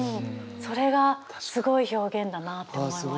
それがすごい表現だなって思いました。